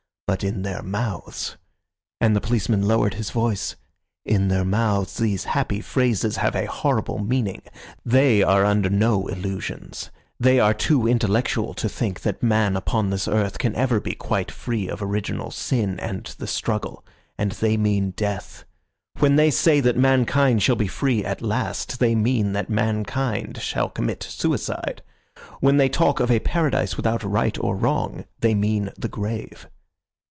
But in their mouths"—and the policeman lowered his voice—"in their mouths these happy phrases have a horrible meaning. They are under no illusions; they are too intellectual to think that man upon this earth can ever be quite free of original sin and the struggle. And they mean death. When they say that mankind shall be free at last, they mean that mankind shall commit suicide. When they talk of a paradise without right or wrong, they mean the grave.